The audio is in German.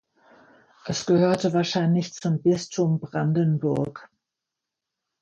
Es gehörte wahrscheinlich zum Bistum Brandenburg.